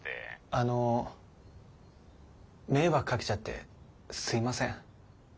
あの迷惑かけちゃってすいません。